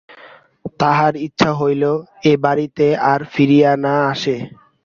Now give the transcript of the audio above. তাহার ইচ্ছা হইল এ বাড়িতে আর ফিরিয়া না আসে।